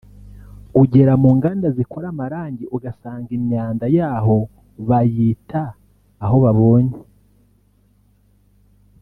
ugera mu nganda zikora amarangi ugasanga imyanda yaho bayita aho babonye